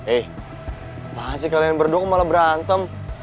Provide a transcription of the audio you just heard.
eh makasih kalian berdua malah berantem